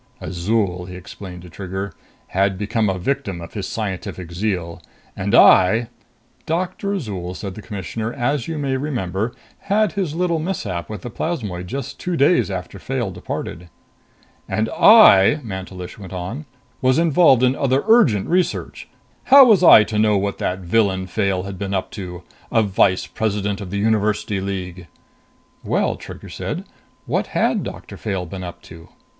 "Azol," he explained to Trigger, "had become a victim of his scientific zeal. And I " "Doctor Azol," said the Commissioner, "as you may remember, had his little mishap with the plasmoid just two days after Fayle departed." "And I," Mantelish went on, "was involved in other urgent research. How was I to know what that villain Fayle had been up to? A vice president of the University League!" "Well," Trigger said, "what had Doctor Fayle been up to?"